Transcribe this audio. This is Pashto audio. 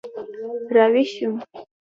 را ویښ شوم.